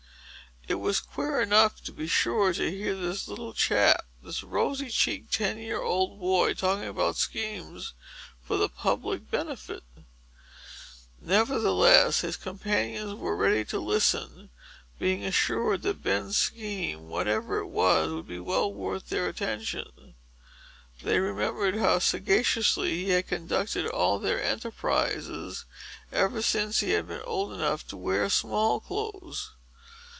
It was queer enough, to be sure, to hear this little chap—this rosy cheeked, ten year old boy—talking about schemes for the public benefit! Nevertheless, his companions were ready to listen, being assured that Ben's scheme, whatever it was, would be well worth their attention. They remembered how sagaciously he had conducted all their enterprises, ever since he had been old enough to wear small clothes.